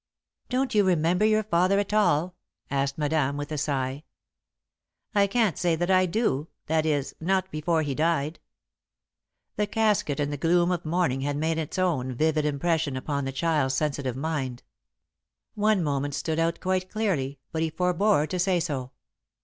"Don't you remember your father at all?" asked Madame, with a sigh. "I can't say that I do that is, not before he died." The casket and the gloom of mourning had made its own vivid impression upon the child's sensitive mind. One moment stood out quite clearly, but he forebore to say so.